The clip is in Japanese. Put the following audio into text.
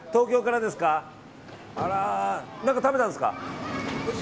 何か食べたんですか？